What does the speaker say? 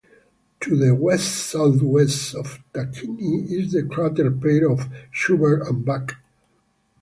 To the west-southwest of Tacchini is the crater pair of Schubert and Back.